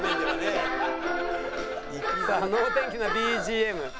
さあ能天気なＢＧＭ。